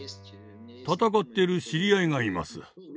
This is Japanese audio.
戦っている知り合いがいます。